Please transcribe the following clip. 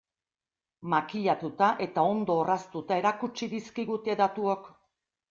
Makillatuta eta ondo orraztuta erakutsi dizkigute datuok.